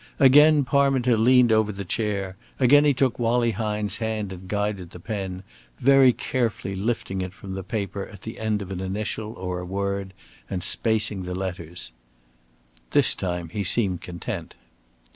Again Parminter leaned over the chair, again he took Wallie Hine's hand and guided the pen, very carefully lifting it from the paper at the end of an initial or a word, and spacing the letters. This time he seemed content.